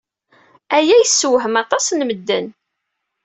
Aya yessewhem aṭas n medden.